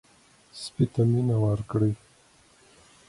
سپي ته مینه ورکړئ.